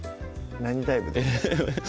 何ダイブですか？